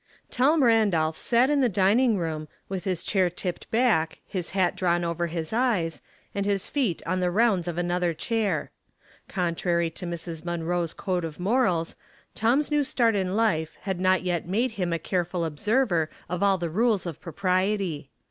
RANDOLPH sat in the dining roorii, with his chair tipped back, his hat drawn over his eyes, and his feet on the rounds of another chair. Contrary to Mrs. Munroe's code of morals, Tom's new start in life had not yet made him a careful observer of all the rules of propriety.